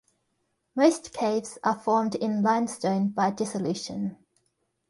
Most caves are formed in limestone by dissolution.